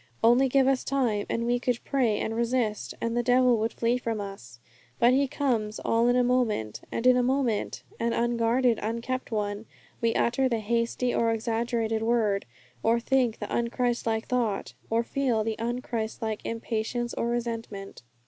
Only give us time, and we could pray and resist, and the devil would flee from us! But he comes all in a moment; and in a moment an unguarded, unkept one we utter the hasty or exaggerated word, or think the un Christ like thought, or feel the un Christ like impatience or resentment.